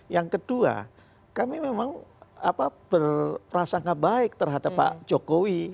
yang kedua kami memang berprasangka baik terhadap pak jokowi